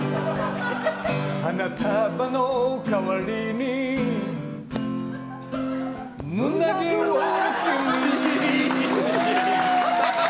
花束の代わりに胸毛を君に。